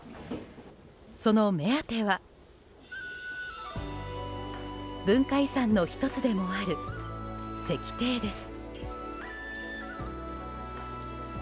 その目当ては文化遺産の１つでもある石庭です。